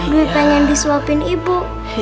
dwi pengen disuapin ibu